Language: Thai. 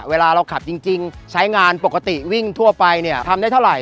เวลาเราขับจริงใช้งานปกติวิ่งทั่วไปเนี่ยทำได้เท่าไห